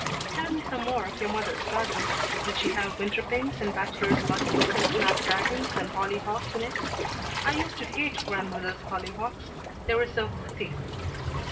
"Tell me some more of your mother's garden. Did she have winter pinks and bachelor's buttons and snap dragons and hollyhocks in it? I used to hate grandmother's hollyhocks. They were so haughty."